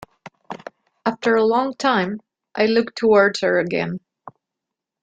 After a long time, I looked towards her again.